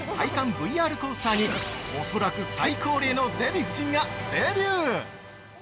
ＶＲコースターに恐らく最高齢のデヴィ夫人がデビュー！